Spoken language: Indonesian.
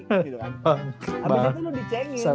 habis itu lu di chang e